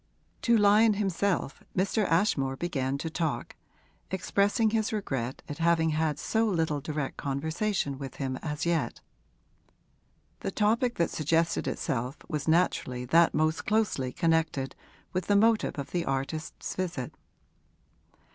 To Lyon himself Mr. Ashmore began to talk, expressing his regret at having had so little direct conversation with him as yet. The topic that suggested itself was naturally that most closely connected with the motive of the artist's visit.